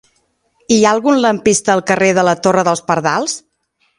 Hi ha algun lampista al carrer de la Torre dels Pardals?